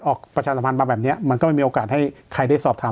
ประชาสัมพันธ์มาแบบนี้มันก็ไม่มีโอกาสให้ใครได้สอบถาม